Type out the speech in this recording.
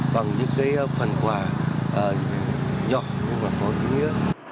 bằng những phần quà nhỏ và phóng nghĩa